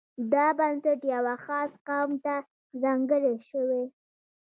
دا بنسټ یوه خاص قوم ته ځانګړی شوی.